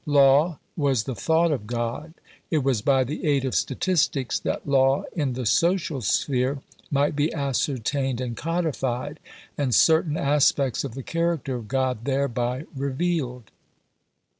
Law was "the thought of God." It was by the aid of statistics that law in the social sphere might be ascertained and codified, and certain aspects of "the character of God" thereby revealed.